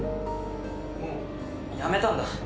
もうやめたんだ。